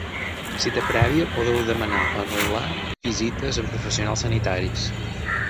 A “Cita prèvia” podeu demanar o anul·lar visites amb professionals sanitaris.